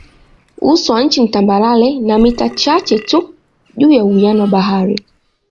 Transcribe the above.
Uso wa nchi ni tambarare na mita chache tu juu ya uwiano wa bahari.